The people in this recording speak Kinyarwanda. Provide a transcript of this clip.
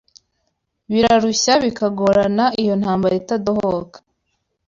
birarushya bikanagora iyo ntambara itadohoka